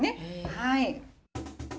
はい。